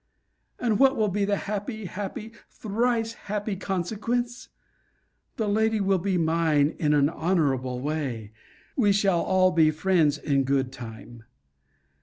And what will be the happy, happy, thrice happy consequence? The lady will be mine in an honourable way, we shall all be friends in good time.